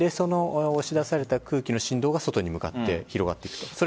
押し出された空気の振動が外に向かって広がっていくと。